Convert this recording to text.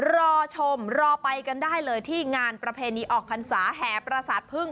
รอชมรอไปกันได้เลยที่งานประเพณีออกพรรษาแห่ประสาทพึ่ง